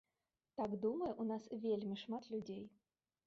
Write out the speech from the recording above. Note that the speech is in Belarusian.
Так думае ў нас вельмі шмат людзей.